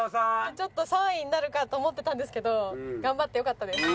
ちょっと３位になるかと思ってたんですけど頑張ってよかったです。